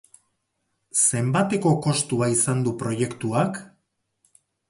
Zenbateko kostua izan du proiektuak?